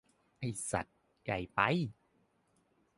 ไอ้สัส ใหญ่ไป !